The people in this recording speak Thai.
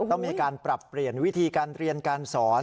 ต้องมีการปรับเปลี่ยนวิธีการเรียนการสอน